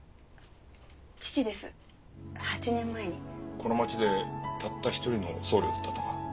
この町でたった一人の僧侶だったとか。